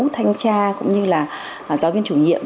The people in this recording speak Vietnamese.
thanh tra cũng như là giáo viên chủ nhiệm